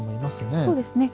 そうですね。